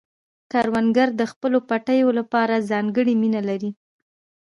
کروندګر د خپلو پټیو لپاره ځانګړې مینه لري